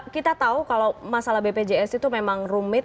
kita tahu kalau masalah bpjs itu memang rumit